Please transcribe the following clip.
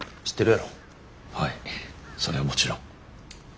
はいそれはもちろん。